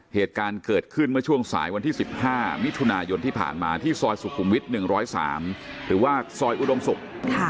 เหตุการณ์เกิดขึ้นเมื่อช่วงสายวันที่๑๕มิถุนายนที่ผ่านมาที่ซอยสุขุมวิทย์๑๐๓หรือว่าซอยอุดมศุกร์